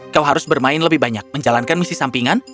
kau harus bermain lebih banyak menjalankan misi sampingan